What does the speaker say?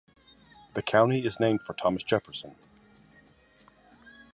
The county is named for Thomas Jefferson.